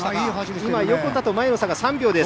今、横田と前の差が３秒です。